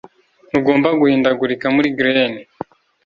Ntugomba guhindagurika muri glen